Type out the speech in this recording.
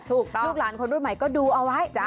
ลูกหลานคนรุ่นใหม่ก็ดูเอาไว้